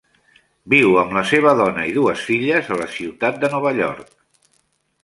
Viu amb la seva dona i dues filles a la ciutat de Nova York.